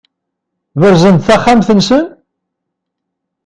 Berzen-d taxxamt-nsen?